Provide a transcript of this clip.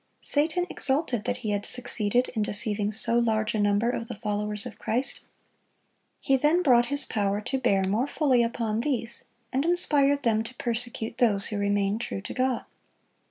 Satan exulted that he had succeeded in deceiving so large a number of the followers of Christ. He then brought his power to bear more fully upon these, and inspired them to persecute those who remained true to God.